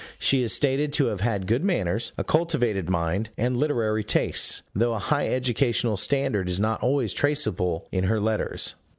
She is stated to have had good manners, a cultivated mind, and literary tastes, though a high educational standard is not always traceable in her letters.